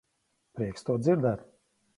Prieks to dzirdēt.